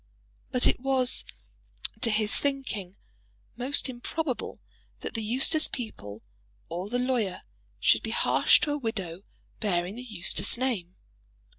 But it was, to his thinking, most improbable that the Eustace people or the lawyer should be harsh to a widow bearing the Eustace name.